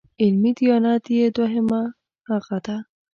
علمي دیانت یې دویمه هغه ده.